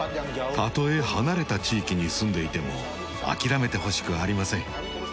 たとえ離れた地域に住んでいても諦めてほしくありません。